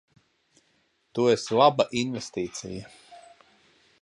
Tu esi laba investīcija.